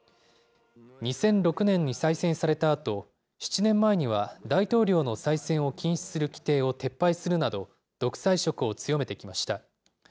２００６年に再選されたあと、７年前には大統領の再選を禁止する規定を撤廃するなど、独裁色を強めてきました。